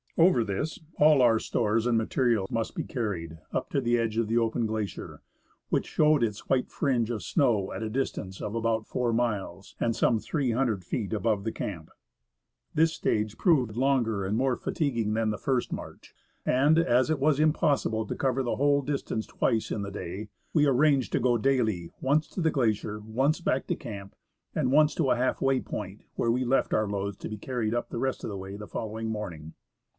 Over this, all our stores and material must be carried, up to the edge of the open glacier, which showed its white fringe of snow at a distance of about four miles, and some 300 feet above 'the camp. This stage proved longer and more fatiguing than the first march ; and as it was impossible to cover the whole distance twice in the day, we ^ We found many trout in the waters of this torrent. 74 THE MALASPINA GLACIER arranged to go daily once to the glacier, once back to camp, and once to a half way point where we left our loads to be carried up the rest of the way on the following morning.